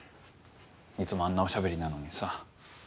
いつもあんなおしゃべりなのにさ。